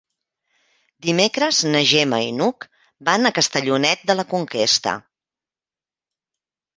Dimecres na Gemma i n'Hug van a Castellonet de la Conquesta.